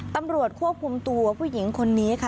ตำรวจควบคุมตัวผู้หญิงคนนี้ค่ะ